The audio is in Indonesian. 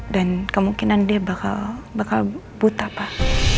dan kemungkinan dia bakal buta pak